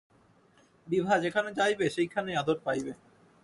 বিভা যেখানে যাইবে সেইখানেই আদর পাইবে।